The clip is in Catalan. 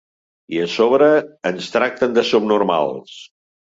I a sobre ens tracten de subnormals.